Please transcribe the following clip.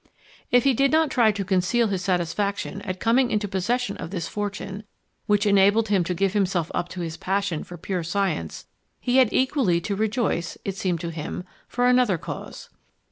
If he did not try to conceal his satisfaction at coming into possession of this fortune, which enabled him to give himself up to his passion for pure science, he had equally to rejoice, it seemed to him, for another cause.